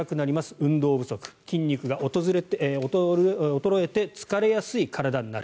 運動不足、筋肉が衰えて疲れやすい体になる。